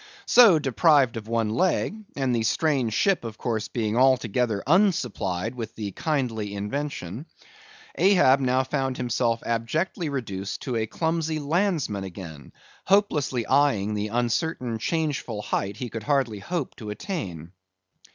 So, deprived of one leg, and the strange ship of course being altogether unsupplied with the kindly invention, Ahab now found himself abjectly reduced to a clumsy landsman again; hopelessly eyeing the uncertain changeful height he could hardly hope to attain.